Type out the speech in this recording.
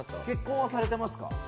結婚はされてますか？